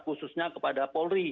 khususnya kepada polri